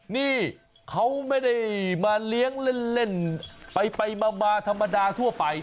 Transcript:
นี่เขาไม่ได้มาเลี้ยงเล่นไปมาธรรมดาทั่วไป